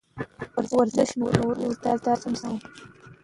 هغه په ډېر درد سره له اصفهانه رخصت شو.